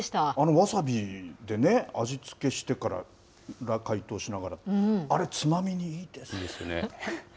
わさびでね、味付けしてから、解凍しながら、在れ、いいですね。